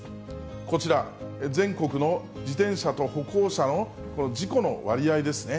こちら、全国の自転車と歩行者のこの事故の割合ですね。